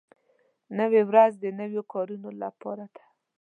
نوې ورځ د نویو کارونو لپاره ده